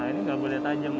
nah ini gak boleh tajam